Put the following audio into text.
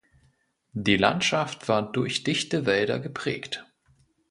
Die Landschaft war durch dichte Wälder geprägt.